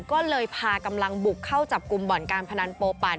ก็เลยพากำลังบุกเข้าจับกลุ่มบ่อนการพนันโปปัน